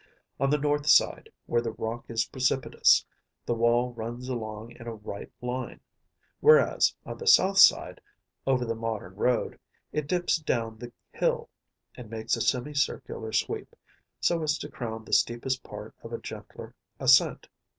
On the north side, where the rock is precipitous, the wall runs along in a right line; whereas on the south side, over the modern road, it dips down the hill, and makes a semicircular sweep, so as to crown the steepest part of a gentler ascent.